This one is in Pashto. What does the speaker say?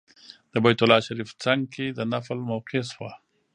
د بیت الله شریف څنګ کې د نفل موقع شوه.